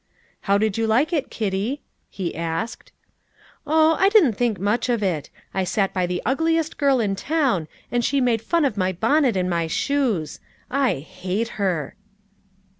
"How did you like it, Kitty?" he asked. "Oh, I didn't think much of it. I sat by the ugliest girl in town, and she made fun of my bonnet and my shoes. I hate her."